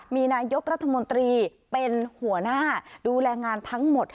มีนายกรัฐมนตรีเป็นหัวหน้าดูแลงานทั้งหมด